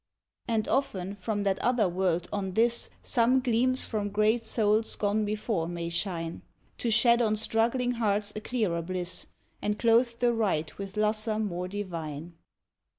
And often, from that other world, on this Some gleams from great souls gone before may shine, To shed on struggling hearts a clearer bliss, And clothe the Right with lustre more divine.